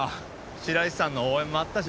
白石さんの応援もあったし。